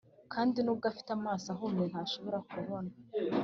kandi nubwo afite amaso ahumye ntashobora kubona,